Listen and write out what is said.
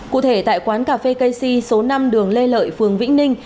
cụ thể tại quán cà phê kcy số năm đường lê lợi phường vĩnh ninh